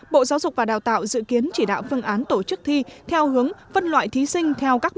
bộ giáo dục và đào tạo dự kiến chỉ đạo phương án tổ chức thi theo hướng vân loại thí sinh